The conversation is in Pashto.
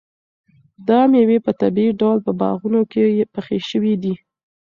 دا مېوې په طبیعي ډول په باغونو کې پخې شوي دي.